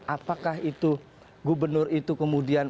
apakah itu gubernur itu kemudian